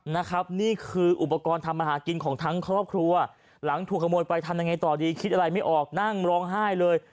นะครับนี่คืออุปกรณ์ทำมาหากินของทั้งครอบครัวหลังถูกขโมยไปทำยังไงต่อดีคิดอะไรไม่ออกนั่งร้องไห้เลย